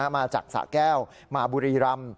มาจากสระแก้วมาบุรีรำ